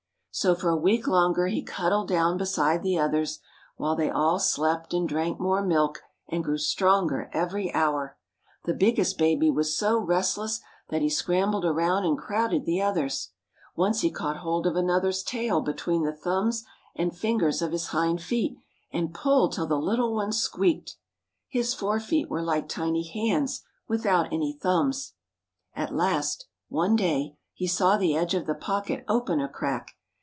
So for a week longer he cuddled down beside the others, while they all slept and drank more milk and grew stronger every hour. The biggest baby was so restless that he scrambled around and crowded the others. Once he caught hold of another's tail between the thumbs and fingers of his hind feet, and pulled till the little one squeaked. His fore feet were like tiny hands without any thumbs. At last, one day, he saw the edge of the pocket open a crack.